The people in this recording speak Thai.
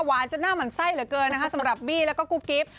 หวานจนหน้ามันใส่เหลือเกินสำหรับบี้แล้วก็กุ๊บกิ๊บ